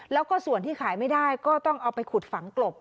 แล้วก็ส่วนที่ขายไม่ได้ก็ต้องเอาไปขุดฝังกลบ